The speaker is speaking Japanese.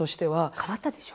変わったでしょ？